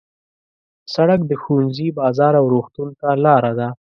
سړک د ښوونځي، بازار او روغتون ته لاره ده.